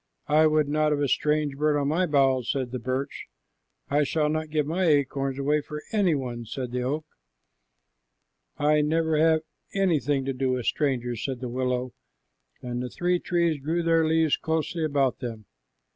"I would not have strange birds on my boughs," said the birch. "I shall not give my acorns away for any one," said the oak. "I never have anything to do with strangers," said the willow, and the three trees drew their leaves closely about them.